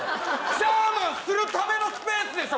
ジャーマンするためのスペースでしょ